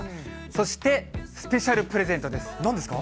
そして、スペシャルプレゼントでなんですか？